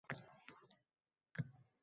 His qilmadi